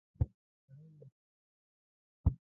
سړی یو څه لیکلو ته مجبوریږي.